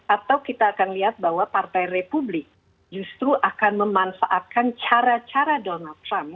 atau kita akan lihat bahwa partai republik justru akan memanfaatkan cara cara donald trump